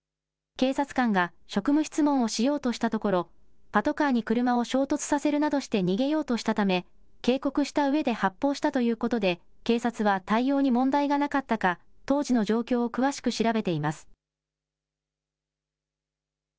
警察官が職務質問をしようとしたところ、パトカーに車を衝突させるなどして逃げようとしたため、警告したうえで発砲したということで、警察は対応に問題がなかったか、当時の状況を詳しく調べています。